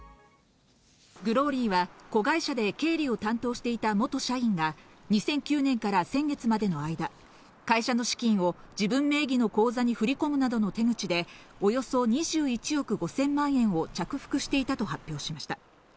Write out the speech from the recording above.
グローリーは子会社で経理を担当していた元社員が２００９年から先月までの間、会社の資金を自分名義の口座に振り込むなどの手口でおよそ２１億５０００万円を着服していたと発表しました。